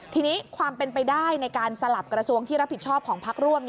ทีนี้ความเป็นไปได้ในการสลับกระทรวงที่รับผิดชอบของพักร่วม